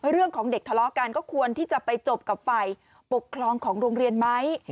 เรื่องของเด็กทะเลาะกันก็ควรที่จะไปจบกับฝ่ายปกครองของโรงเรียนไหม